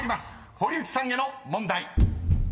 堀内さんへの問題］